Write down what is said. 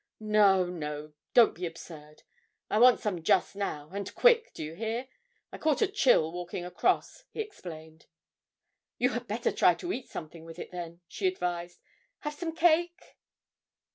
'No, no, don't be absurd. I want some just now, and quick, do you hear? I caught a chill walking across,' he explained. 'You had better try to eat something with it, then,' she advised; 'have some cake?'